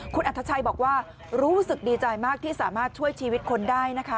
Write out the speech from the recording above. คุณอัธชัยบอกว่ารู้สึกดีใจมากที่สามารถช่วยชีวิตคนได้นะคะ